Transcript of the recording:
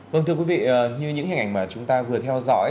vâng thưa quý vị như những hình ảnh mà chúng ta vừa theo dõi